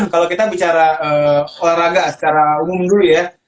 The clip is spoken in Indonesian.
kalau kita bicara olahraga secara umum dulu ya